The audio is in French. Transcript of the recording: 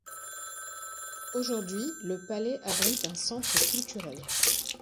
Aujourd'hui, le palais abrite un centre culturel.